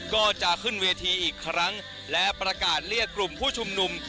ก็จะขึ้นเวทีอีกครั้งและประกาศเรียกกลุ่มผู้ชุมนุม